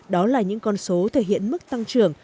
đó là những con số thể hiện mức tăng trưởng